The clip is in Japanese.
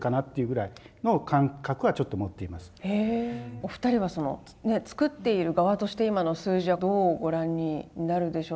お二人はそのね作っている側として今の数字はどうご覧になるでしょう。